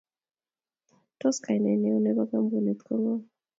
Tos kainetab neo nebo kampunit ko ngo?